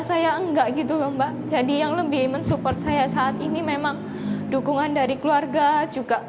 saya nggak gitu loh mbak jadi yang lebih men support saya saat ini memang dukungan dari keluarga juga